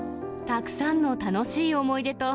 たくさんの楽しい思い出と、